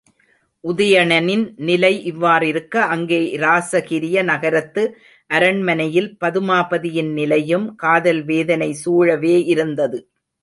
உதயணனின் நிலை இவ்வாறிருக்க அங்கே இராசகிரிய நகரத்து அரண்மனையில் பதுமாபதியின் நிலையும் காதல் வேதனை சூழவே இருந்தது.